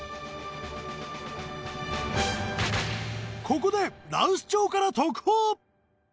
ここで羅臼町から特報